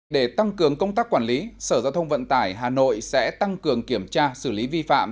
để tăng cường công tác quản lý sở giao thông vận tải hà nội sẽ tăng cường kiểm tra xử lý vi phạm